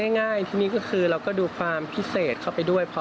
นี่ล่ะครับ